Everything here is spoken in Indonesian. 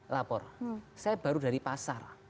saya baru dari pasar